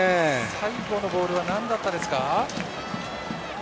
最後のボールは何だったんですか。